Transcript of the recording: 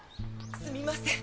すみません